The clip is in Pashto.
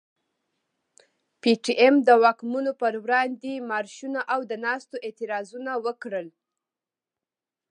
پي ټي ايم د واکمنو پر وړاندي مارشونه او د ناستو اعتراضونه وکړل.